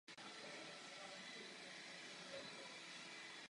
Steven píše scénáře i pro seriál Sherlock.